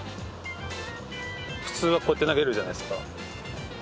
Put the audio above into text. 普通はこうやって投げるじゃないですか。